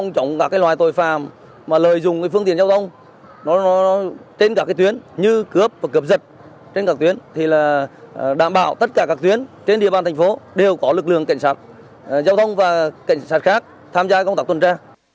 các loài tội phàm mà lợi dụng phương tiện giao thông trên các tuyến như cướp và cướp giật trên các tuyến thì đảm bảo tất cả các tuyến trên địa bàn tp đều có lực lượng cảnh sát giao thông và cảnh sát khác tham gia công tác tuần tre